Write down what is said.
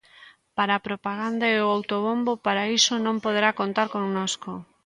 Para a propaganda e o autobombo, para iso, non poderá contar connosco.